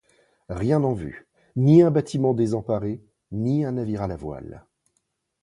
Rien en vue, ni un bâtiment désemparé, ni un navire à la voile.